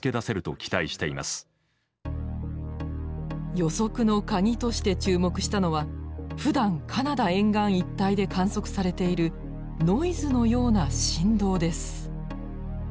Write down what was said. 予測のカギとして注目したのはふだんカナダ沿岸一帯で観測されているノイズのような振動です。